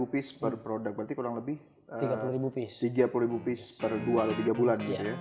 satu piece per produk berarti kurang lebih tiga puluh ribu piece per dua atau tiga bulan gitu ya